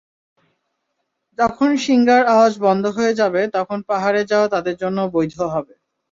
যখন শিংগার আওয়াজ বন্ধ হয়ে যাবে তখন পাহাড়ে যাওয়া তাদের জন্যে বৈধ হবে।